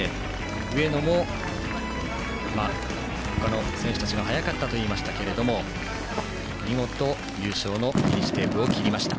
上野も他の選手たちが速かったと言いましたけども見事優勝のフィニッシュテープを切りました。